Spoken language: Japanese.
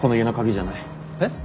えっ？